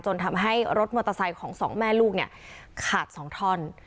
ทำให้รถมอเตอร์ไซค์ของสองแม่ลูกเนี่ยขาด๒ท่อน